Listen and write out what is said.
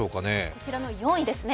こちらの４位ですね。